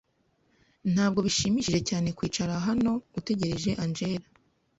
Ntabwo bishimishije cyane kwicara hano utegereje Angella.